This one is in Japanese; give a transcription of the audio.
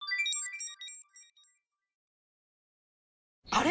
あれ？